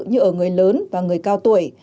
như ở người lớn và người cao tuổi